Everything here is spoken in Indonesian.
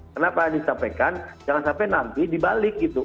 kenapa disampaikan jangan sampai nanti dibalik gitu